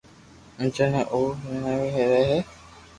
ھون جڻي جو او رييايوڙي رھي ھيي